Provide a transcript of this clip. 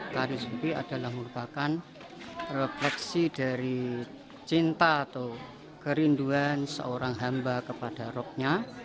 tari supi adalah merupakan refleksi dari cinta atau kerinduan seorang hamba kepada robnya